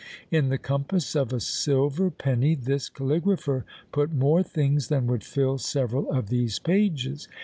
In the compass of a silver penny this caligrapher put more things than would fill several of these pages.